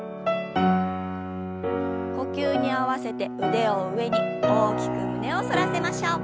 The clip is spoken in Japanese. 呼吸に合わせて腕を上に大きく胸を反らせましょう。